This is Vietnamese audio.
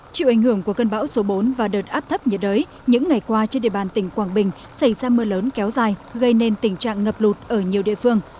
chịu ảnh hưởng của cơn bão số bốn và đợt áp thấp nhiệt đới những ngày qua trên địa bàn tỉnh quảng bình xảy ra mưa lớn kéo dài gây nên tình trạng ngập lụt ở nhiều địa phương